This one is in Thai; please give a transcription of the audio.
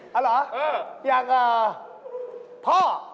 อ๋อเหรออยากพ่อ